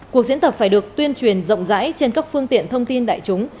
cuộc diễn tập phải được tuyên truyền rộng rãi trên các phương tiện thông tin đại chúng